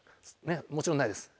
もちろんないです。